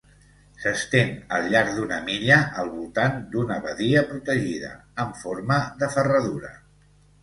S'estén al llarg d’una milla al voltant d'una badia protegida amb forma de ferradura.